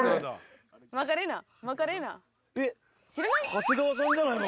長谷川さんじゃないの？